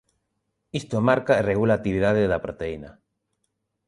Isto marca e regula a actividade da proteína.